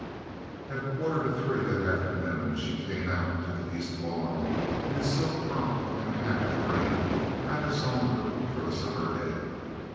At a quarter to three that afternoon she came out on to the East lawn in a silk frock and hat of a green rather sombre for the summer day.